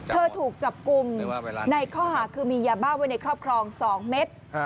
ถูกจับกลุ่มในข้อหาคือมียาบ้าไว้ในครอบครอง๒เม็ด